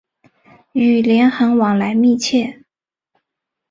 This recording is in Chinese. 与连横往来密切。